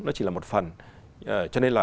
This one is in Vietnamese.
nó chỉ là một phần cho nên là